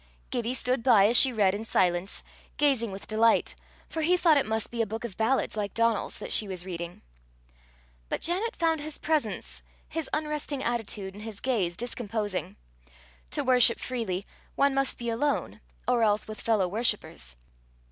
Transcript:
Gibbie stood by as she read in silence, gazing with delight, for he thought it must be a book of ballads like Donal's that she was reading. But Janet found his presence, his unresting attitude, and his gaze, discomposing. To worship freely, one must be alone, or else with fellow worshippers.